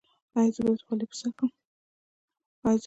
ایا زه باید خولۍ په سر کړم؟